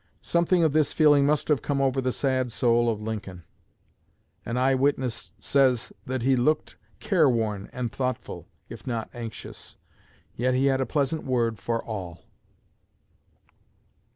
Something of this feeling must have come over the sad soul of Lincoln. An eye witness says that he "looked careworn and thoughtful, if not anxious; yet he had a pleasant word for all."